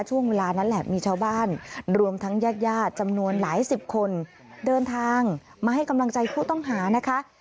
ช่วงเวลานั้นแหละมีชาวบ้านรวมทั้งญาติญาติจำนวนหลายสิบคนเดินทางมาให้กำลังใจผู้ต้องหานะคะ